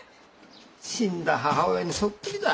死んだ母親にそっくりだ。